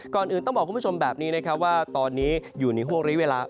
อื่นต้องบอกคุณผู้ชมแบบนี้นะครับว่าตอนนี้อยู่ในห่วงริเวลา